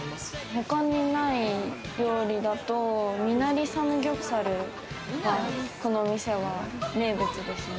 他にない料理だと、ミナリサムギョプサルが、このお店は名物ですね。